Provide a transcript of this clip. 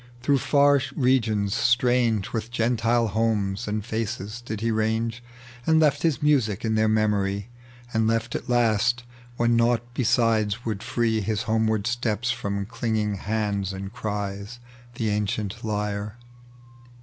Through far regions, atrange With Gentile homes and faces, did be range. And left his muisic in their memory, And left at last, when nought besides would free His homeward steps from elinging hands and cries, The ancient lyre.